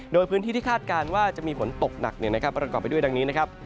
โดยพื้นที่ที่คาดการณ์ว่าจะมีฝนตกหนักประกอบไปด้วยดังนี้นะครับ